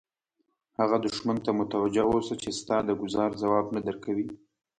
هغه دښمن ته متوجه اوسه چې ستا د ګوزار ځواب نه درکوي.